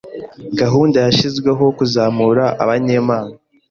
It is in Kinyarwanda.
gahunda yashyiriweho kuzamura abanyempano.